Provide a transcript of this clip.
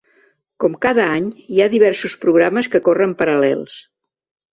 Com cada any, hi ha diversos programes que corren paral·lels.